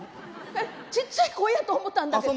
ちっちゃい声やと思ったんだけど。